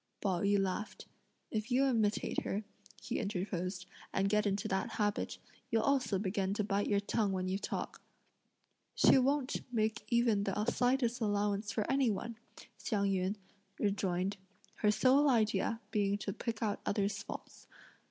Pao yü laughed. "If you imitate her," he interposed, "and get into that habit, you'll also begin to bite your tongue when you talk." "She won't make even the slightest allowance for any one," Hsiang yün rejoined; "her sole idea being to pick out others' faults.